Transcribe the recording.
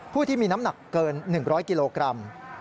ผู้ที่มีน้ำหนักเกิน๑๐๐กิโลกรัม